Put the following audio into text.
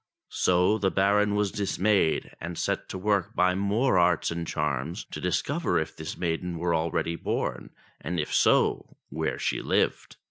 So the Baron was dismayed, and set to work by more arts and charms to discover if this maiden were already born, and if so, where she lived.